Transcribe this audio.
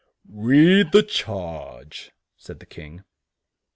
"Read the charge!" said the King.